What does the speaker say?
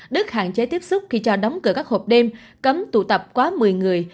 đức hạn chế tiếp xúc khi cho đóng cửa các hộp đêm cấm tụ tập quá một mươi người